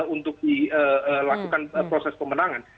untuk dilakukan proses pemenangan